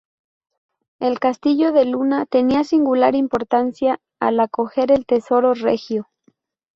El castillo de Luna tenía singular importancia al acoger el tesoro regio.